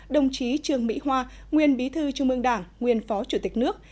đồng chí trương mỹ hoa nguyên bí thư trung ương đảng nguyên phó chủ tịch nước